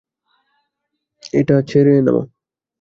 এটা ছেড়ে নামো!